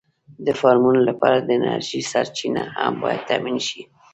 د فارمونو لپاره د انرژۍ سرچینه هم باید تأمېن شي.